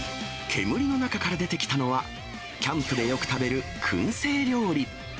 煙の中から出てきたのは、キャンプでよく食べるくん製料理。